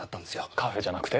カフェじゃなくて？